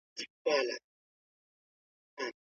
ورزش کول د بدن مقاومت لوړوي.